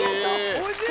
おいしい！